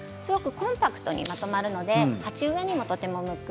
コンパクトにまとまるので鉢植えにもとても向く。